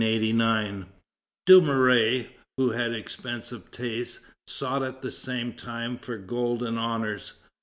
Dumouriez, who had expensive tastes, sought at the same time for gold and honors.